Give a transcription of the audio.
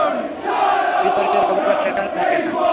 বিতর্কের অবকাশ সেখানে থাকে না।